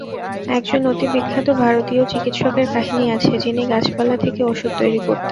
একজন অতি বিখ্যাত ভারতীয় চিকিৎসকের কাহিনী আছে, যিনি গাছপালা থেকে অষুধ তৈরি করতেন।